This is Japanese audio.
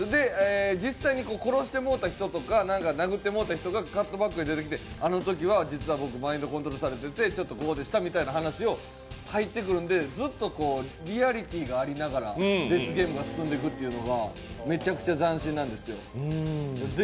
実際に殺してもうた人とか、殴ってもうた人がカットバックで出てきてあのときは実は僕、マインドコントロールされててちょっとこうでした、みたいな話が入ってくるんでずっとリアリティがありながらデスゲームが進んでいくというのがめちゃくちゃ斬新なんですよ。